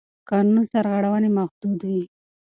قانون سرغړونې محدودوي.